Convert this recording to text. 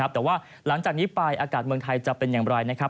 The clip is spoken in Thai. แต่ว่าหลังจากนี้ไปอากาศเมืองไทยจะเป็นอย่างไรนะครับ